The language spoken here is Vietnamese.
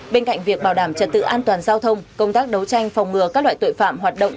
bên cạnh việc bảo đảm trật tự an toàn giao thông công tác đấu tranh phòng ngừa các loại tội phạm hoạt động